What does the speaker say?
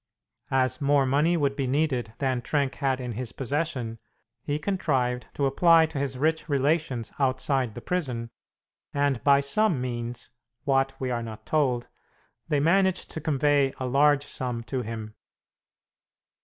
As more money would be needed than Trenck had in his possession, he contrived to apply to his rich relations outside the prison, and by some means what we are not told they managed to convey a large sum to him.